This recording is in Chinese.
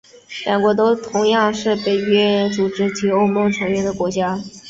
两国都同样是北约组织及欧盟的成员国家。